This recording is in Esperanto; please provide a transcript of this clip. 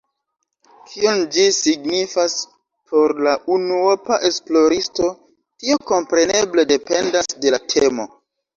Kion ĝi signifas por la unuopa esploristo, tio kompreneble dependas de la temo.